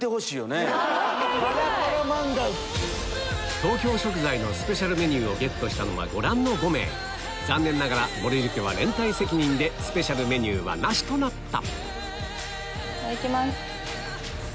東京食材のスペシャルメニューをゲットしたのはご覧の５名残念ながらぼる塾は連帯責任でスペシャルメニューはなしとなったいただきます。